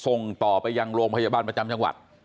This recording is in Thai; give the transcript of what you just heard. ส่งต่อไปยังโรงพยาบาลประจำจังหวัด